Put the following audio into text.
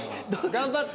頑張って。